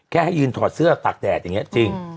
ให้ยืนถอดเสื้อตากแดดอย่างนี้จริง